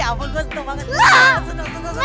ya ampun gue sentuh banget